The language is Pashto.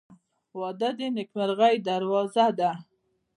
• واده د نیکمرغۍ دروازه ده.